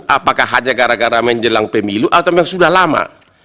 apakah hanya gara gara menjelang pemilu atau memang sudah lama